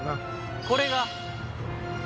これが！